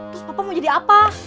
terus bapak mau jadi apa